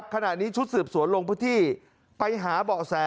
ขณะนี้ชุดสืบสวนลงพื้นที่ไปหาเบาะแส